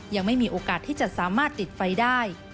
ยังไม่มีโอกาสที่จะสามารถติดไฟได้